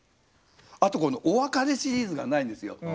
あとこのお別れシリーズがないんですよ。